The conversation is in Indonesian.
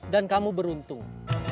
dan kamu beruntung